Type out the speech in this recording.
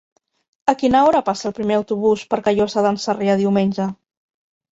A quina hora passa el primer autobús per Callosa d'en Sarrià diumenge?